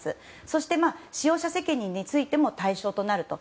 そして、使用者責任についても対象となると。